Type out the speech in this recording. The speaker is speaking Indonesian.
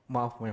maaf yang mulia